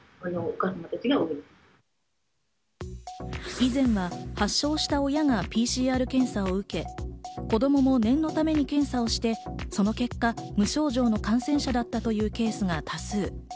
以前は発症した親がＰＣＲ検査を受け、子供も念のために検査をして、その結果、無症状の感染者だったというケースが多数。